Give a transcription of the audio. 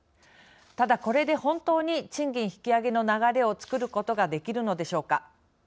ただ、これで本当に賃金引上げの流れをつくることができるのでしょうか。